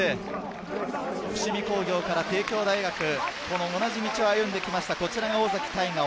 伏見工業から帝京大学、同じ道を歩んできました。